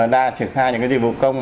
đã triển khai những cái dịch vụ công